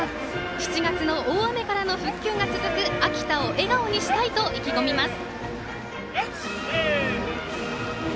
７月の大雨からの復旧が続く秋田を笑顔にしたいと意気込みます。